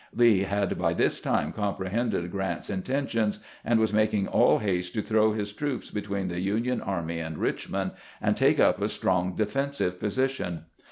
Lee had by this time comprehended Grrant's intentions, and was making aU haste to throw his troops between the Union army and Richmond, and take up a strong defensive position.